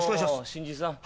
あ新人さん？